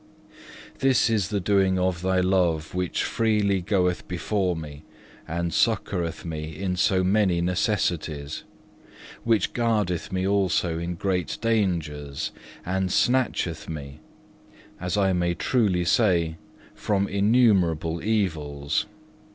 2. This is the doing of Thy love which freely goeth before me and succoureth me in so many necessities, which guardeth me also in great dangers and snatcheth me, as I may truly say, from innumerable evils.